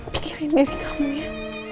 pikirin diri kamu ya